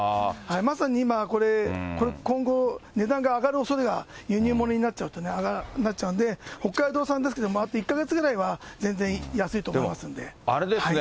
まさに今、これ、今後、値段が上がるおそれが、輸入物になるとなっちゃうんで、北海道産ですけれども、あと１か月ぐらいは全然安いと思いますんでもあれですね、